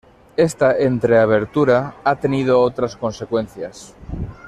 Esta "entre-abertura" ha tenido otras consecuencias.